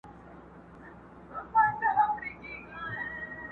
د سپیني خولې دي څونه ټک سو٫